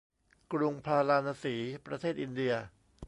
กรุงพาราณสี ประเทศอินเดีย